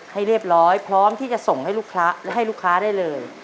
ให้เรียบร้อยพร้อมที่จะส่งให้ลูกค้าได้เลย